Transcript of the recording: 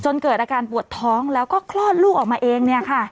เกิดอาการปวดท้องแล้วก็คลอดลูกออกมาเองเนี่ยค่ะ